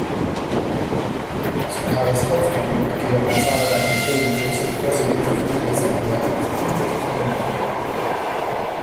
Zu Karls Aufgebot gehörten zahlreiche Bogenschützen, ausserdem verfügte sein Heer über hunderte Kanonen.